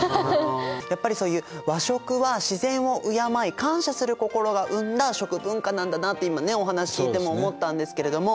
やっぱりそういう和食は自然を敬い感謝する心が生んだ食文化なんだなって今ねお話聞いても思ったんですけれども。